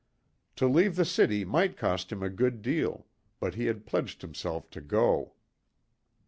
To leave the city might cost him a good deal, but he had pledged himself to go.